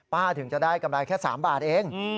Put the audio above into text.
ถึงจะได้กำไรแค่๓บาทเอง